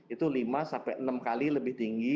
itu lima sampai enam kali lebih tinggi